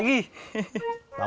oke eh tebang